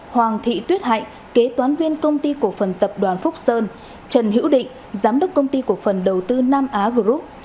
hoàng thị tuyết hạnh kế toán viên công ty cổ phần tập đoàn phúc sơn trần hữu định giám đốc công ty cổ phần đầu tư nam á group